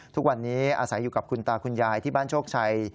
ทุกวันนี้อาศัยอยู่กับคุณตาคุณยายที่บ้านโชคชัย